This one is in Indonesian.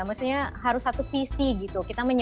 maksudnya harus satu visi gitu